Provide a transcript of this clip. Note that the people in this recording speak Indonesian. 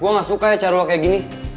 gue gak suka ya caruak kayak gini